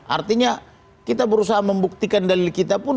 artinya kita berusaha membuktikan dalil kita pun